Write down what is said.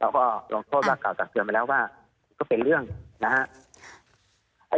เราก็ลองโทษว่ากล่าวจากเกือบมาแล้วว่าก็เป็นเรื่องนะฮะ